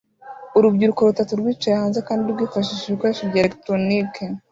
Urubyiruko rutatu rwicaye hanze kandi rwifashisha ibikoresho bya elegitoroniki